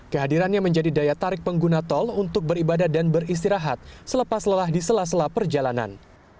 kehadirannya menjadi daya tarik pengguna tol untuk beribadah dan beristirahat selepas lelah di sela sela perjalanan